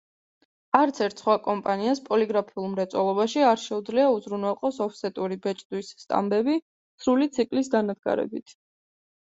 არცერთ სხვა კომპანიას პოლიგრაფიულ მრეწველობაში, არ შეუძლია უზრუნველყოს ოფსეტური ბეჭდვის სტამბები სრული ციკლის დანადგარებით.